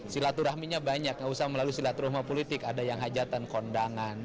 silaturahminya banyak nggak usah melalui silaturahma politik ada yang hajatan kondangan